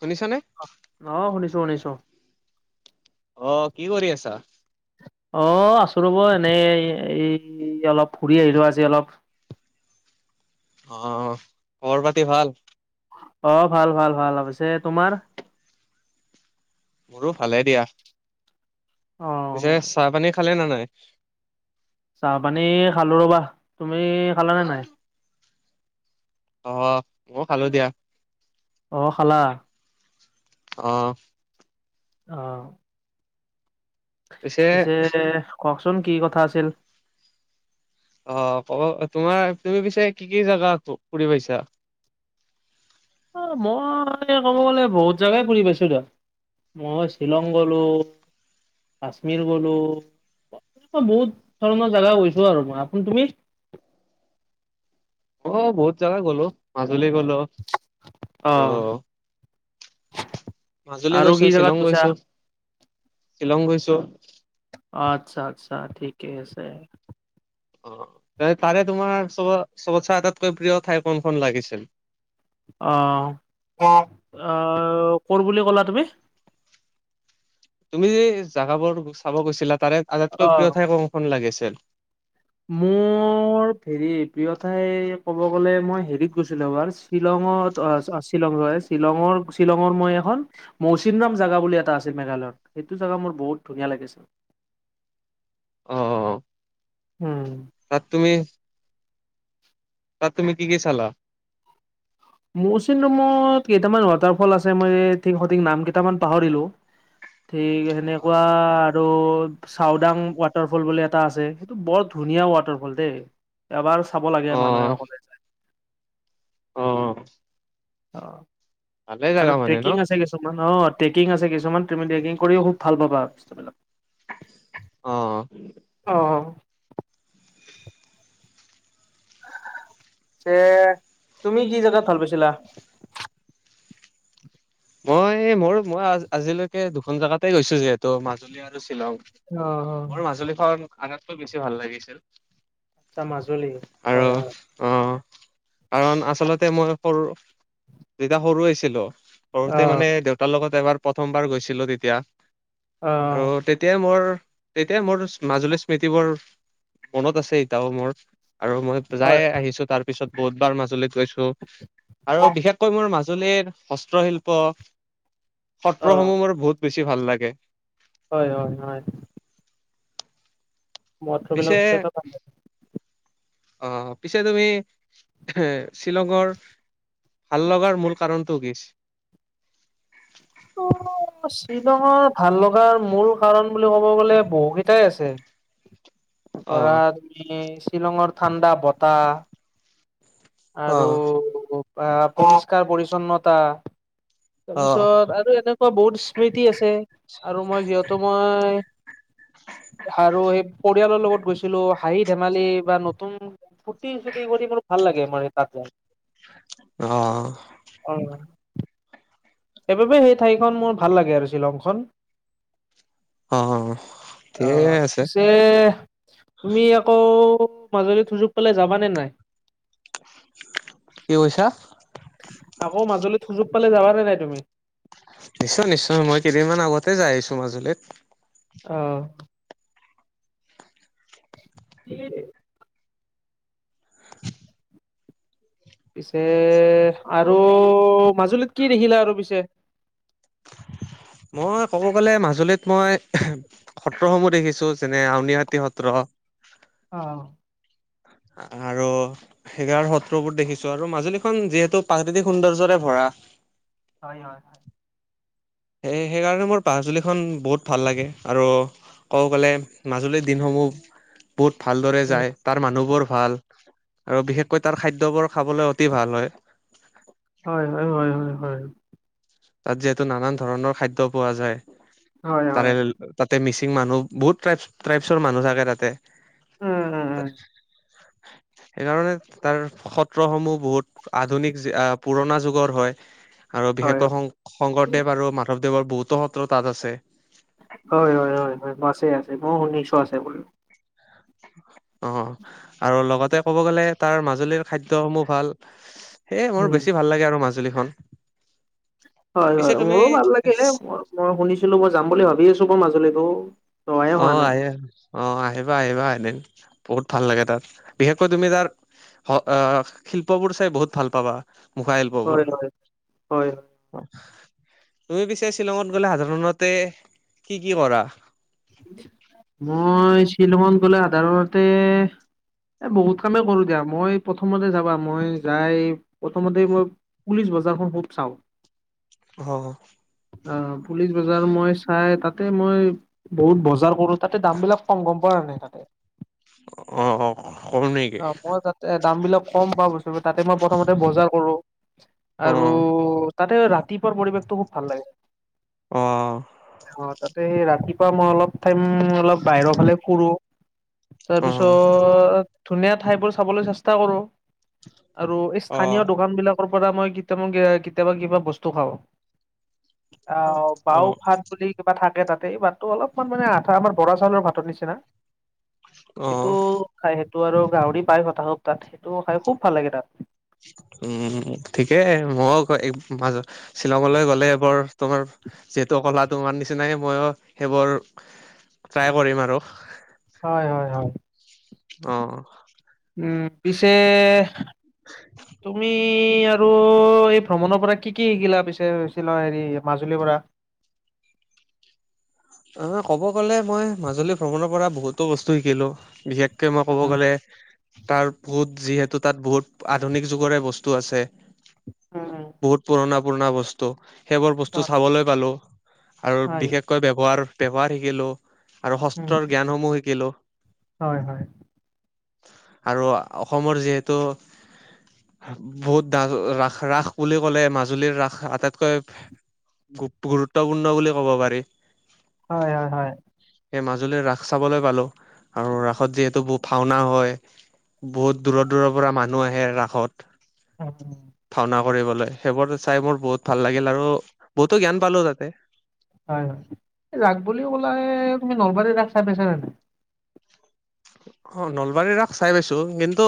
শুনিছা নে? অ', শুনিছোঁ-শুনিছোঁ। অ', কি কৰি আছা? অ', আছোঁ ৰ'ব এনেই এই অলপ ফুৰি আহিলোঁ আজি অলপ। অ', খবৰ পাতি ভাল? অ', ভাল-ভাল-ভাল পিছে তোমাৰ? মোৰো ভালে দিয়া। অ', পিছে চাহ-পানী খালে নে নাই? চাহ-পানী খালো ৰবা তুমি খালানে নাই? অ, মইয়ো খালো দিয়া। অ, খালা? অ', অ', পিছে কওকচোন, কি কথা আছিল? অ, কব তোমাৰ তুমি পিছে কি-কি জাগা ফুৰি পাইছা? অ, মই ক'ব গ'লে বহুত জেগাই ফুৰি পাইছো দিয়ক। মই শ্বিলং গলো কাশ্মীৰ গলো, এনেকুৱা বহুত ধৰণৰ জেগা গৈছো আৰু মই আপোনি তুমি? অ, বহুত জাগা গলো মাজুলী গলো অ আৰু মাজুলী আৰু গৈছো, কি জেগাত শ্বিলং গৈছা গৈছো-শ্বিলং গৈছো। আচ্ছা-আচ্ছা ঠিকে আছে। অ, তাৰে তোমাৰ চব-চবত চাই আটাইতকৈ প্ৰিয় ঠাই কোনখন লাগিছিল? অ', অ', অ কৰ বুলি ক'লা তুমি? তুমি যে জাগাবোৰ চাব গৈছিলা, তাৰে আটাইতকৈ অ', প্ৰিয় ঠাই কোনখন লাগিছিল? মোৰ মোৰ হেৰি প্ৰিয় ঠাই ক'ব গ'লে মই হেৰিত গৈছিলো, এবাৰ শ্বিলঙত শ্বিলং ৰছে শ্বিলঙৰ-শ্বিলঙৰ মই এখন মৌচিননাম জেগা বুলি এটা আছে মেঘালয়ত, সেইটো জেগা মোৰ বহুত ধুনীয়া লাগিছিল। অ', অ', অ', উম, তাত তুমি তাত তুমি কি-কি চালা? মৌচিন ৰামত কেইটামান ৱাটাৰফল আছে মই ঠিক সঠিক নাম কেইটামান পাহৰিলো। ঠিক সেনেকুৱা অ আৰু চাওদাং ৱাটাৰফল বুলি এটা আছে, সেইটো বৰ ধুনীয়া ৱাটাৰফল দেই। এবাৰ চাব লাগে মানুহে অকলে। অ', অ', অ, আৰু মানে ন ট্ৰেকিং আছে কিছুমানত। টেকিং আছে কিছুমান ট্টেকিংও খুব ভাল পাবা বস্তুবিলাক। অ', অ', যে তুমি, কি জেগাত ভাল পাইছিলা? মই মোৰ মই আজিলৈকে দুখন জেগাতে গৈছো যিহেতু মাজুলী আৰু শ্বিলং। অ অ মোৰ মাজুলীখন, আগাতকৈ বেছি ভাল লাগিছিল। আচ্ছা, মাজুলী হয়-হয়। অঁ, কাৰণ আচলতে মই সৰু যেয়া সৰু হৈছিলো। অ সৰুতে মানে দেউতাৰ লগত এবাৰ প্ৰথমবাৰ গৈছিলো তেতিয়া। অ আৰু তেতিয়াই মোৰ তেতিয়া মোৰ মাজুলী স্মৃতিবোৰ, মনত আছে এতিয়াও মোৰ। আৰু মই হয় যায় হয় আহিছো তাৰ পিছত বহুত বাৰ মাজুলীত। গৈছো অ আৰু বিশেষকৈ মোৰ মাজুলীৰ হস্ত্ৰ শিল্প সত্ৰসমূহ মোৰ বহুত বেছি ভাল লাগে। হয়-হয়-হয়। মহৎ বিলাক পিছে হুচ পাম। [unintelligible] অ, পিছে তুমি এ শ্বিলঙৰ ভাল লগাৰ মূল কাৰণটো কি? অ, শ্বিলঙৰ ভাল লগাৰ মূল কাৰণ বুলি ক'ব গ'লে বহু কেইটাই আছে। [inaudible] ধৰা তুমি শ্বিলঙৰ ঠাণ্ডা বতাহ আৰু অ', আ পৰিষ্কাৰ -পৰিচ্ছন্নতা। অ', তাৰপিছত আৰু এনেকুৱা বহুত স্মৃতি আছে আৰু মই যিহেতু মই আৰু সেই পৰিয়ালৰ লগত গৈছ ছিলো হাঁহি -ধেমালি বা নতুন ফূৰ্তি - চুৰ্তি কৰি মোৰ ভাল লাগে মানে তাত যাই। অ', অহ', সেইবাবে সেই ঠাইখন মোৰ ভাল লাগে আৰু শ্বিলংখন। অ', অ, ঠিকে আছে। যে এ তুমি আকৌ মাজুলীত সুযোগ পালে যাবা নে নাই? কি কৈছা? আকৌ মাজুলীত সুযোগ পালে যাবা নে নাই তুমি? নিশ্চয়- নিশ্চয় মই কেইদিনমান আগতে যাই আহিছোঁ মাজুলীত। অ', [unintelligible] পিছে আৰু মাজুলীত কি দেখিলা আৰু পিছে? মই ক'ব গ'লে মাজুলীত মই [unintelligible] সত্ৰসমূহ দেখিছোঁ যেনে আউনীআটী সত্ৰ অ', আৰু ফেগাৰ সত্ৰুবোৰ দেখিছোঁ আৰু মাজুলীখন যিহেতু প্ৰাকৃতিক সৌন্দৰ্যৰে ভৰা হয়- হয়। সেই সেইকাৰণেতো মোৰ পাজুলিখন বহুত ভাল লাগে আৰু ক'ব গ'লে মাজুলীৰ দিনসমূহ বহুত ভাল দৰে যায় তাৰ মানুহবোৰ ভাল আৰু বিশেষকৈ তাৰ খাদ্যবোৰ খাবলৈ অতি ভাল হয়। হয়-হয়-হয়-হয়-হয়। তাত যিহেতু নানান ধৰণৰ খাদ্য পোৱা যায় হয় হয়। তাৰে তাতে মিচিং মানুহ বহুত ট্ৰাইপছ -ট্ৰাইপছৰ মানুহ থাকে তাতে। উম, উম, উম, সেইকাৰণে তাৰ সত্ৰসমূহ বহুত আধুনিক যে অ, পুৰণা যুগৰ হয়। আৰু হয়, বিশেষকৈ শং- শংকৰদেৱ আৰু মাধৱদেৱৰ বহুতো সত্ৰ তাত আছে। হয়- হয়-হয়-হয় মাছে আছে মই শুনিছোঁ আছে বোলি। অ, আৰু লগতে ক'ব গ'লে তাৰ মাজুলীৰ খাদ্যসমূহ ভাল। সেয়ে মোৰ উম, বেছি ভাল লাগে আৰু মাজুলীখন। হয়- পিছে হয় মোৰো ভাল লাগে তুমি মই -মই শুনিছিলোঁ মই যাম বুলি ভাবি আছোঁ [unintelligible] মাজুলীতো। যোৱাই অ হোৱা নাই। আহি অ, আহিবা -আহিবা এদিন বহুত ভাল লাগে তাত বিশেষকৈ তুমি তাৰ হ আহ শিল্পবোৰ চাই বহুত ভাল পাবা মুখা শিল্পবোৰ। হয়, হয়, হয়। অহ, তুমি পিছে শ্বিলঙত গলে সাধাৰণতে কি -কি কৰা? মই শ্বিলঙত গ'লে সাধাৰণতে এ বহুত কামেই কৰো দিয়া মই প্ৰথমতে যাবা মই যাই প্ৰথমতেই মই পুলিচ বজাৰখন খুব চাওঁ [unintelligible] অ, পুলিচ বজাৰ মই চাই তাতে মই বহুত বজাৰ কৰো। তাতে দামবিলাক কম গম পোৱা নাই তাতে? অ', অ', কম নেকি? তে দাম বিলাক কম পাও বস্তুবোৰ তাতে মই প্ৰথমতে বজাৰ কৰো। অ আৰু তাতে ৰাতিপুৱাৰ পৰিৱেশটো খুব ভাল লাগে। অ অ তাতে সেই ৰাতিপুৱা মই অলপ টাইম অলপ বাহিৰৰ ফালে ফুৰোঁ অ তাৰপিছত ধুনীয়া ঠাইবোৰ চাবলৈ চেষ্টা কৰো আৰু এই অ স্থানীয় দোকান বিলাক ৰ পৰা মই কেতি কেতিয়াবা কিবা বস্তু খাওঁ। অ অ বাও ভাত বুলি কিবা থাকে তাতেই বাট টো অলপমান মানে আথা আমাৰ বৰা চাউলৰ ভাতৰ নিচিনা। অ সেইটো খাই সেইটো আৰু গাহৰি পায় হতাশব তাত সেইটো খাই খুব ভাল লাগে তাত। উম ঠিকেই মই মাজত শ্বিলঙলে গ'লে বৰ তোমাৰ যিহেতু কলা তোমাৰ নিচিনাই ময়ো সেইবোৰ ট্ৰাই কৰিম আৰু। হয় হয় হয়। অ। উম পিছে [inaudible] তুমি আৰু এই ভ্ৰমণৰ পৰা কি কি শিকিলা পিছে হেৰি মাজুলীৰ পৰা? অ ক'ব গ'লে মই মাজুলী ভ্ৰমণৰ পৰা বহুতো বস্তু শিকিলো বিশেষ কে মই ক'ব উম, গ'লে তাৰ বহুত যিহেতু তাত বহুত আধুনিক যুগৰে বস্তু আছে। উম উম। বহুত পুৰণা পুৰণা বস্তু সেইবোৰ বস্তু উম। চাবলৈ পালো আৰু হয়, বিশেষকৈ ব্যব হাৰ ব্যবহাৰ শিকিলো আৰু উম, শস্ত্ৰৰ জ্ঞানসমূহ শিকিলো। হয়, হয়। আৰু অসমৰ যিহেতু বহুত ডাঠ ৰাস ৰাস বুলি ক'লে মাজুলীৰ ৰাস আটাইতকৈ গু গুৰুত্বপূৰ্ণ বুলি ক'ব পাৰি। হয় হয় হয়। সেই মাজুলীৰ ৰাস চাবলৈ পালো আৰু ৰাসত যিহেতু ভাওনা হয়। বহুত দূৰৰ-দূৰৰ পৰা মানুহ আহে ৰাসত। [unintelligible] ভাওনা কৰিবলৈ সেইবোৰ চাই মোৰ বহুত ভাল লাগিল আৰু বহুতো জ্ঞান পালো তাতে। হয় হয়, ৰাস বুলি কলেই তুমি নলবাৰীত ৰাস চাই পাইছা নে নাই? অ নলবাৰীৰ ৰাস চাই পাইছো কিন্তু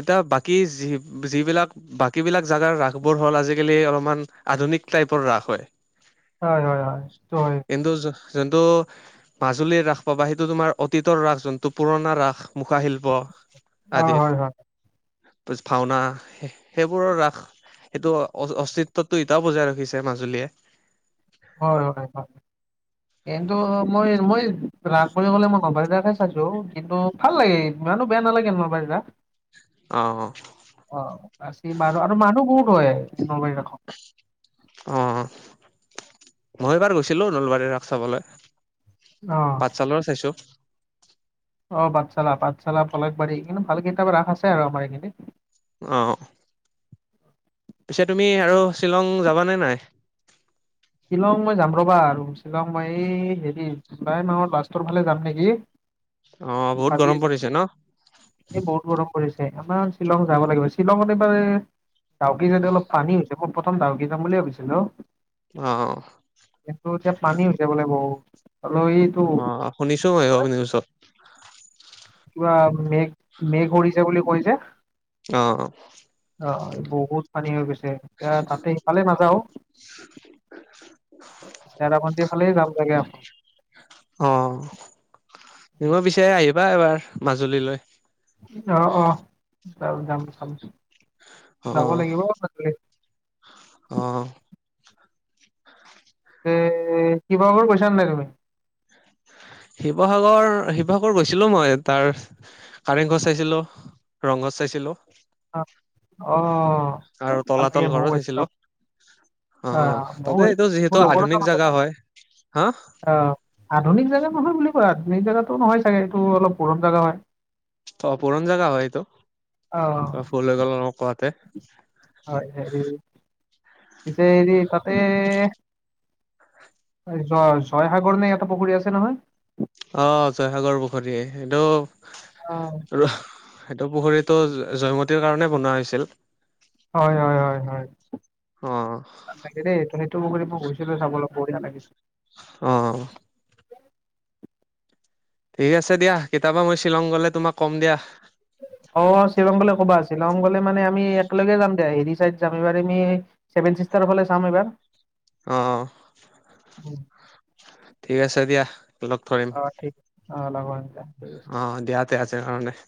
এতিয়া বাকী যি যিবিলাক বাকী বিলাক জাগাৰ ৰাস বোৰ হ'ল আজিকালি অলমান আধুনিক টাইপৰ ৰাস হয়। হয়, হয়, হয়, সেইটো হয়। কিন্তু যোনটো মাজুলীৰ ৰাস পাবা সেইটো তোমাৰ অতীতৰ ৰাস যোন ত' পুৰণা ৰাস মুখা শিল্প অ', আদিৰ হয়, হয়, ভাওনা সেইবোৰৰ ৰাস সেইটো অ অস্তিত্বটো এতিয়াও বজাই ৰখিছে মাজুলীয়ে। হয়, হয়, হয়। [inaudible] কিন্তু মই মই ৰাস বুলি কলে মই নলবাৰী তেতহে চাইছো কিন্তু ভাল লাগে ইমানো বেয়া নালাগে নলবাৰীৰ ৰাস। অ অ। অ আচি মাৰু আৰু মানুহ বহুত হয় নলবাৰী ৰাসত। অ অ, মই এইবাৰ গৈছিলো নলবাৰী ৰাস চাবলে। অ। পাঠশালৰ চাইছোঁ। অ পাটশালা পাঠশালা, পলাশবাৰী এইখিনি ভালেকেইটা ৰাস আছে আৰু আমাৰ এইখিনি। অহঁ। পিছে তুমি আৰু শ্বিলং যাবানে নাই? শ্বিলং মই যাম ৰবা আৰু শ্বিলং মই এই হেৰি জুলাই মাহৰ লাষ্টৰ ফালে যাম নেকি। অ, বহুত ভাবি গৰম আছো পৰিছে ন? এই বহুত গৰম পৰিছে আমাৰ শ্বিলং যাব লাগিব শ্বিলংঙত এইবাৰ ডাউকি চায়দে অলপ পানী হৈছে মই প্ৰথমে ডাউকি যাম বুলিয়ে ভাবিছিলো। অ'। সেটো এতিয়া পানী হৈছে বোলে বহোত। অ' শুনিছো। [unintelligible] কিবা [unintelligible] কৰিছে বুলি কৈছে। অ'। অ' বহুত পানী হৈ গৈছে এতিয়া তাতে ইফালে নাযাওঁ। চেৰাপুঞ্জী ফালেয়ে জাম চাগে আকৌ। অ' [unintelligible] পিছে আহিবা এবাৰ মাজুলীলৈ। অ', অ' যাম-যাম চাম যাব অ' লাগিব। [unintelligible] অ'। এ শিবসাগব় গৈছা নাই তুমি? শিবসাগব়-শিবসাগব় গৈছিলো মই তাৰ কাৰেংঘৰ চাইছিলো ৰংঘৰ চাইছিলো। অ' এই আৰু ভাল লাগে তলাতল ময়ো ঘৰও গৈছিলো চাইছিলো। অ' আহ ময়ো তাতে এইটো গৈছিলো যিহেতু মোৰ আধুনিক জেগা হয় হা অ' আধুনিক জেগা নহয় বুলি কয় আধুনিক জেগাতো নহয় চাগে এইটো অলপ পুৰণ জেগা হয়। অ' পুৰণ জেগা হয় এইটো অ' ভুল হৈ গল মোৰ কোৱাতে। হয় পিচে তাতে এই জয় জয়সাগৰ নে এটা পুখুৰী আছে নহয়। অ', জয়সাগৰ পুখুৰী এইটো অ সেইটো পুখুৰীতটো জয়মতীৰ কাৰণে বনোৱা হৈছিল। হয়-হয়-হয়-হয়। অ' লাগে দেই তুমটো [unintelligible] গৈছিলো চাব লয় বঢ়িয়া লাগিছিল। অ'। ঠিক আছে দিয়া কেতাবা মই শ্বিলং গ'লে তোমাক কম দিয়া। অ' শিলং গলে ক'বা শ্বিলং গলে মানে আমি একেলগে যাম দে হেৰি চাইদ যাম এইবাৰ আমি চেভেন চিষ্টাৰৰ ফালে চাম এবাৰ। অ'। উম। ঠিক আছে দিয়া লগ ধৰিম অ', ঠিক অ', লগ হম দিয়া ঠিক আছে। অ' দিয়া। [unintelligible] আছে কাৰণে।